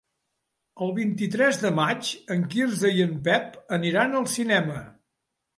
El vint-i-tres de maig en Quirze i en Pep aniran al cinema.